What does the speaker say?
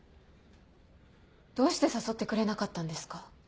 どうして誘ってくれなかったんですか？